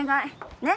ねっ？